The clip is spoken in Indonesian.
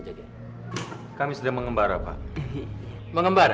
hmm tidak tahu pengalaman presidente zad misalnya